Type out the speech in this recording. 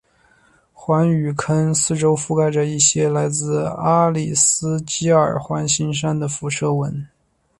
环陨坑四周覆盖着一些来自阿里斯基尔环形山的辐射纹。